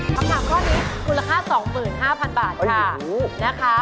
คำถามข้อนี้คุณราคา๒๕๐๐๐บาทค่ะ